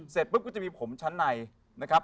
เสร็จปุ๊บก็จะมีผมชั้นในนะครับ